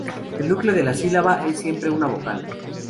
El núcleo de la sílaba es siempre una vocal.